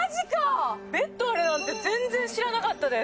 ベッドになってて、全然知らなかったです。